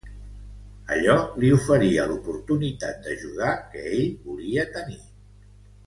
Allò li oferia l’oportunitat d’ajudar que ell volia tenir.